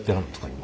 今。